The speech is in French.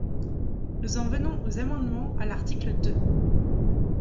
Nous en venons aux amendements à l’article deux.